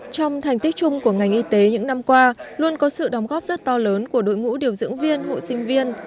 trong thành tích chung của ngành y tế những năm qua luôn có sự đóng góp rất to lớn của đội ngũ điều dưỡng viên hộ sinh viên